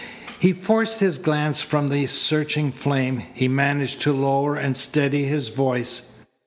He forced his glance from the searching flame. He managed to lower and steady his voice.